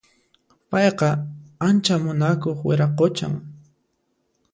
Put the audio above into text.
Payqa ancha munakuq wiraquchan